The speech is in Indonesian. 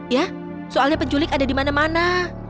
ya soalnya penculik ada di mana mana